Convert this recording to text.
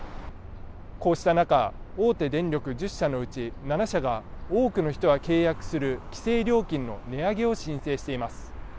こうした中、大手電力１０社のうち７社が、多くの人が契約する規制料金の値上げを申請しています。